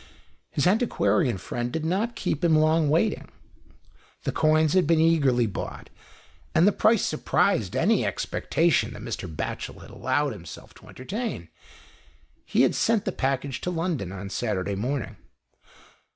His antiquarian friend did not keep him long waiting. The coins had been eagerly bought, and the price surpassed any expectation that Mr. Batchel had allowed himself to enter tain. He had sent the package to London on Saturday morning.